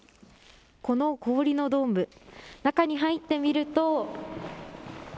この氷のドーム、中に入ってみると。